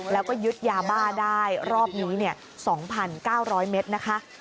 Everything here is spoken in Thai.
แล้วก็ยึดยาบ้าได้รอบนี้๒๙๐๐เมตรนะคะ